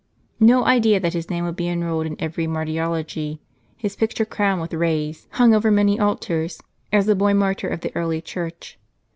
m No idea that his name would be enrolled in every niartyr ology, his picture, crowned with rays, hung over many altars, as the boy martyr of the early Church.